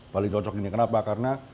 paling cocok ini kenapa karena